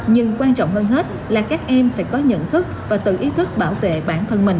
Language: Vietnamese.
nhưng quan trọng hơn hết là các em phải có nhận thức và tự ý thức bảo vệ bản thân mình